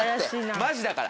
マジだから。